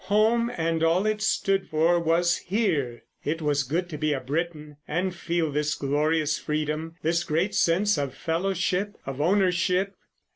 Home and all it stood for was here! It was good to be a Briton and feel this glorious freedom, this great sense of fellowship, of ownership.